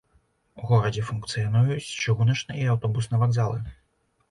У горадзе функцыянуюць чыгуначны і аўтобусны вакзалы.